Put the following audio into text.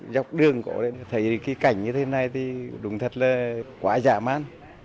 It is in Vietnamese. dọc đường cổ lên thấy cái cảnh như thế này thì đúng thật là quá dã man